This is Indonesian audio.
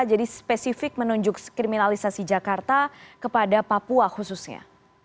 jadi spesifik menunjuk kriminalisasi jakarta kepada papua khususnya